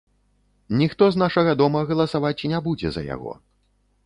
Ніхто з нашага дома галасаваць не будзе за яго.